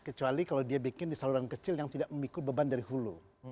kecuali kalau dia bikin di saluran kecil yang tidak memikul beban dari hulu